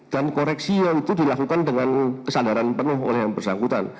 dan koreksi yang itu dilakukan dengan kesadaran penuh oleh yang persangkutan